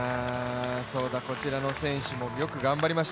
こちらの選手もよく頑張りました。